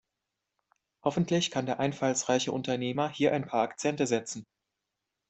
Hoffentlich kann der einfallsreiche Unternehmer hier ein paar Akzente setzen.